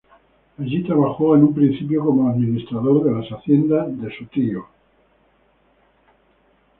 Allí trabajó en un principio como administrador de las haciendas de su tío.